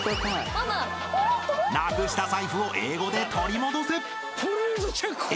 なくした財布を英語で取り戻せ。